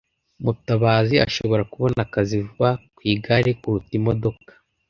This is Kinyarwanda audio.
Mutabazi ashobora kubona akazi vuba ku igare kuruta imodoka.